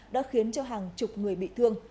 đã khiến hàng chục người bị thương